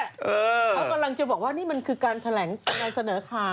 เขากำลังจะบอกว่านี่มันคือการแถลงนำเสนอข่าว